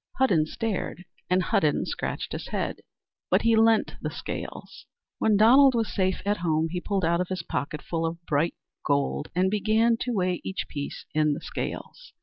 Hudden stared and Hudden scratched his head, but he lent the scales. When Donald was safe at home, he pulled out his pocketful of bright gold and began to weigh each piece in the scales.